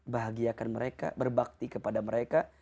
bahagiakan mereka berbakti kepada mereka